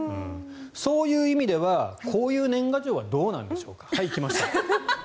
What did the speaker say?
そういう意味ではこういう年賀状はどうなんでしょうかはい、来ました。